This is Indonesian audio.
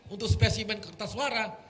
untuk spesimen kertas suara